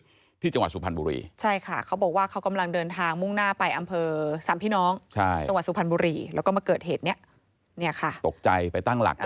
ที่จังหวัดสุพรรณบุรีใช่ค่ะเขาบอกว่าเขากำลังเดินทางมุ่งหน้าไปอำเภอสามพี่น้องใช่จังหวัดสุพรรณบุรีแล้วก็มาเกิดเหตุเนี้ยเนี่ยค่ะตกใจไปตั้งหลัก